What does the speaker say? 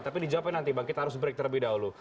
tapi dijawabkan nanti bang kita harus break terlebih dahulu